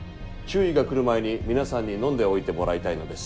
中尉が来る前に皆さんに飲んでおいてもらいたいのです。